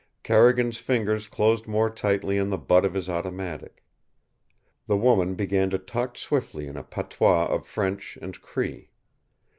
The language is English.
Carrigan's fingers closed more tightly on the butt of his automatic. The woman began to talk swiftly in a patois of French and Cree.